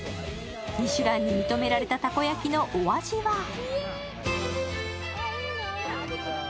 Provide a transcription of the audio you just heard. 「ミシュラン」に認められたたこ焼きのお味は？